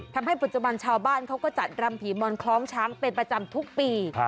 ทำให้ปัจจุบันชาวบ้านเขาก็จัดรำผีมอนคล้องช้างเป็นประจำทุกปี